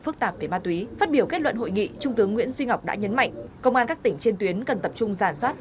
phát biểu kết luận hội nghị trung tướng nguyễn duy ngọc đã nhấn mạnh công an các tỉnh trên tuyến cần tập trung giả soát